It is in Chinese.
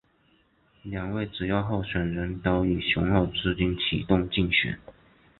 两位主要候选人都以雄厚资金启动竞选。